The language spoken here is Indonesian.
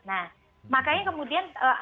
nah makanya kemudian